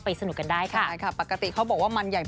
สนุกกันได้ค่ะปกติเขาบอกว่ามันใหญ่